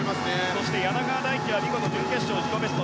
そして柳川大樹は準決勝自己ベスト。